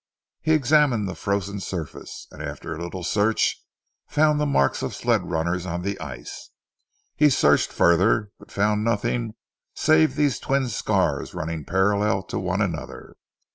He examined the frozen surface, and after a little search found the marks of sled runners on the ice. He searched further, but found nothing save these twin scars running parallel to one another.